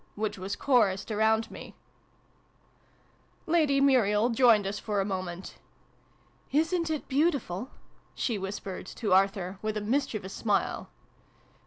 " which was chorused around me. x] JABBERING AND JAM. 157 Lady Muriel joined us for a moment. " Isn't it beautiful ?" she whispered, to Arthur, with a mischievous smile.